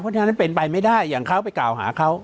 เพราะฉะนั้นเป็นไปไม่ได้อย่างเขาไปกล่าวหาเขา